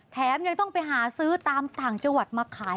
แถมยังต้องไปหาซื้อตามต่างจังหวัดมาขาย